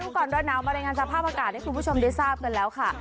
ก่อนร้อนหนาวมารายงานสภาพอากาศให้คุณผู้ชมได้ทราบกันแล้วค่ะ